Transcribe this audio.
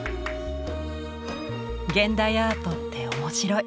現代アートって面白い。